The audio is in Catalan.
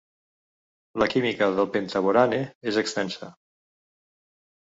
La química del pentaborane és extensa.